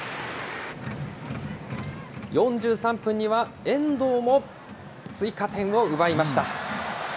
４３分には遠藤も追加点を奪いました。